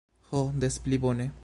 Ho, des pli bone.